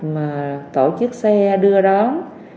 mà tổ chức xe đưa đón